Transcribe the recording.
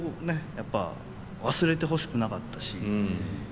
やっぱ忘れてほしくなかったし。